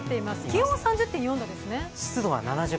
気温は３０．４度ですね。